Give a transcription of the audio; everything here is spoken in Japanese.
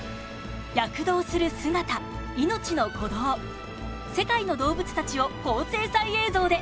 躍動する姿、命の鼓動世界の動物たちを高精細映像で。